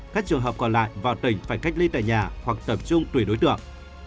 các trường hợp còn lại vào tỉnh phải cách ly tại nhà hoặc tập trung tùy đối tượng